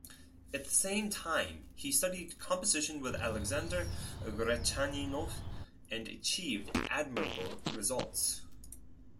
At the same time, he studied composition with Alexander Gretchaninov and achieved admirable results.